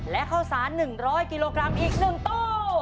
และข้าวสาร๑๐๐กิโลกรัมอีก๑ตู้